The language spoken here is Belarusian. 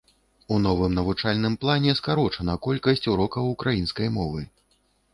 У новым навучальным плане скарочана колькасць урокаў украінскай мовы.